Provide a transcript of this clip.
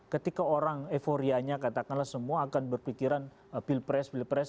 ketika orang euforianya katakanlah semua akan berpikiran pilpres pilpres